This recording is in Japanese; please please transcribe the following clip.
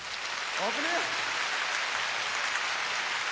危ねえ！